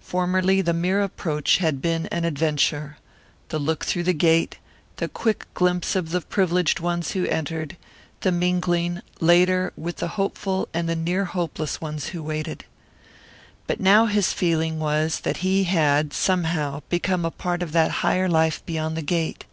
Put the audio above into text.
Formerly the mere approach had been an adventure; the look through the gate, the quick glimpse of the privileged ones who entered, the mingling, later, with the hopeful and the near hopeless ones who waited. But now his feeling was that he had, somehow, become a part of that higher life beyond the gate.